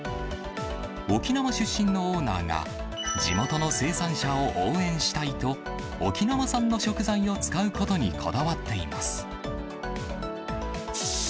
沖縄出身のオーナーが、地元の生産者を応援したいと、沖縄産の食材を使うことにこだわっています。